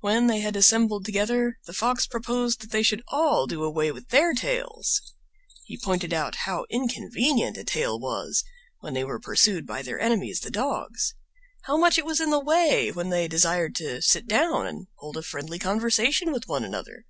When they had assembled together the Fox proposed that they should all do away with their tails. He pointed out how inconvenient a tail was when they were pursued by their enemies, the dogs; how much it was in the way when they desired to sit down and hold a friendly conversation with one another.